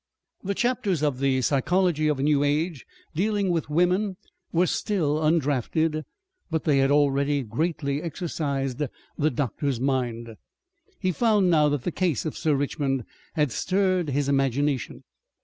The chapters of THE PSYCHOLOGY OF A NEW AGE dealing with women were still undrafted, but they had already greatly exercised the doctor's mind. He found now that the case of Sir Richmond had stirred his imagination.